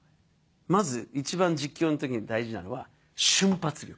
まず一番実況の時に大事なのは。